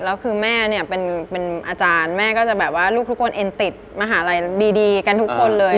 แล้วคือแม่เนี่ยเป็นอาจารย์แม่ก็จะแบบว่าลูกทุกคนเอ็นติดมหาลัยดีกันทุกคนเลย